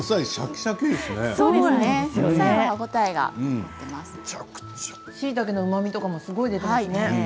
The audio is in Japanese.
しいたけのうまみもすごい出てますね。